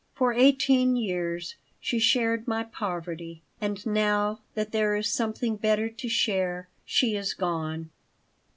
For eighteen years she shared my poverty. And now, that there is something better to share, she is gone."